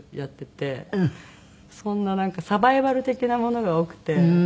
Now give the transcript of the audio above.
そんななんかサバイバル的なものが多くて。